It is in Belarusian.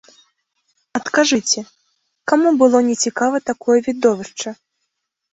Адкажыце, каму было нецікава такое відовішча?